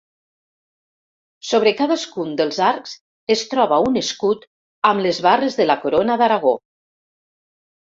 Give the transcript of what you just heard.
Sobre cadascun dels arcs es troba un escut amb les barres de la Corona d'Aragó.